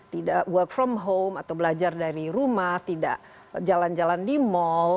tidak work from home atau belajar dari rumah tidak jalan jalan di mall